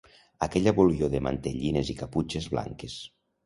Aquella volior de mantellines i caputxes blanques.